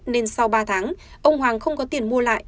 nên sau ba tháng ông hoàng không có tiền mua lại